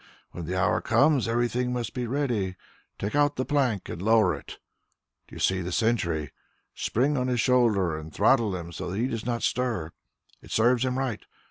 When the hour comes, everything must be ready. Take out the plank and lower it. Do you see the sentry. Spring on his shoulder and throttle him so that he does not stir ... it serves him right.